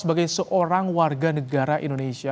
sebagai seorang warga negara indonesia